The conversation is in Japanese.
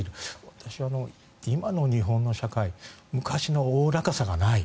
私は今の日本の社会昔の大らかさがない。